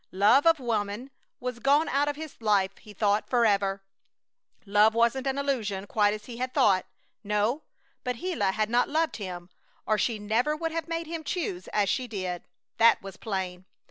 Love of woman was gone out of his life, he thought, forever! Love wasn't an illusion quite as he had thought. No! But Gila had not loved him, or she never would have made him choose as she did! That was plain.